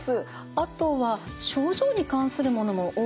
あとは症状に関するものも多いですかね。